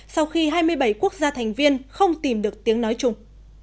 sau khi hai mươi bảy quốc gia thành viên không tìm được tiếng nói chung